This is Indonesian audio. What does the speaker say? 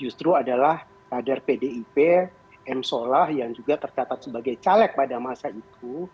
justru adalah kader pdip m solah yang juga tercatat sebagai caleg pada masa itu